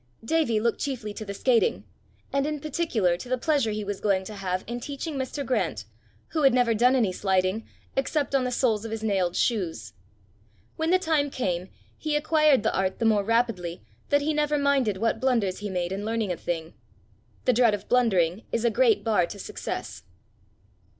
Davie looked chiefly to the skating, and in particular to the pleasure he was going to have in teaching Mr. Grant, who had never done any sliding except on the soles of his nailed shoes: when the time came, he acquired the art the more rapidly that he never minded what blunders he made in learning a thing. The dread of blundering is a great bar to success.